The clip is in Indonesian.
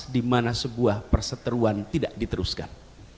dimana sebuah perseteruan tidak diteruskan